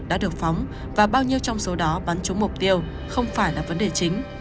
đã được phóng và bao nhiêu trong số đó bắn trúng mục tiêu không phải là vấn đề chính